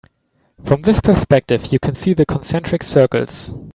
From this perspective you can see the concentric circles.